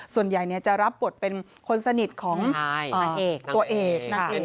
ส่วนใหญ่จะรับบทเป็นคนสนิทของตัวเอกนางเอก